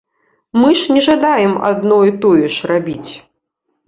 Мы ж не жадаем адно і тое ж рабіць!